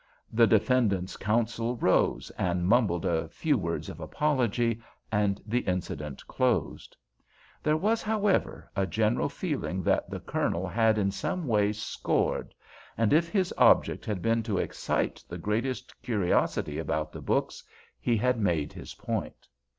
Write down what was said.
The defendant's counsel rose and mumbled a few words of apology, and the incident closed. There was, however, a general feeling that the Colonel had in some way "scored," and if his object had been to excite the greatest curiosity about the books, he had made his point.